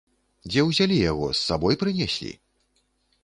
Дзе ўзялі яго, з сабой прынеслі?